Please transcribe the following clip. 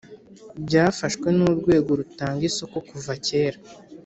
byafashwe n urwego rutanga isoko kuva kera